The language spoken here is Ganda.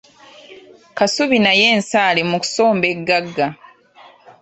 Kasubi naye nsaale mu kusomba egagga.